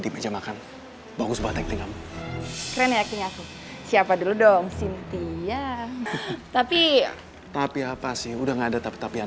di meja makan bagus banget keren siapa dulu dong sinti ya tapi tapi apa sih udah nggak ada tapi tapian